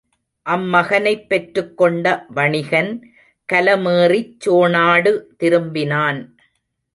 அம்மகனைப் பெற்றுக் கொண்ட வணிகன் கலமேறிச் சோணாடு திரும்பினான்.